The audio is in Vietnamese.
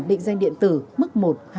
định danh điện tử mức một hai